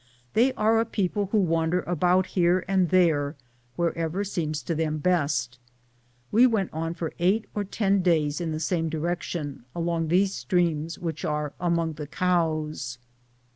They are a people who wander around here and there, wherever seems to them best We went on for eight or ten days in the same direction, along those streams which are among the cows.